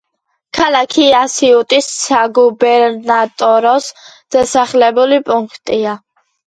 ქალაქი ასიუტის საგუბერნატოროს დასახლებული პუნქტია.